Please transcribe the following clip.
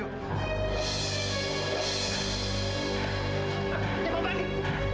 eh bapak nih